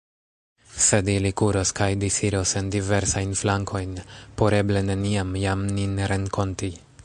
Sed ili kuros kaj disiros en diversajn flankojn, por eble neniam jam nin renkonti.